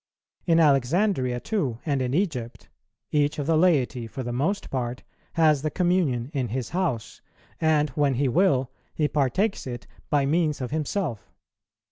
In Alexandria too, and in Egypt, each of the laity, for the most part, has the Communion in his house, and, when he will, he partakes it by means of himself.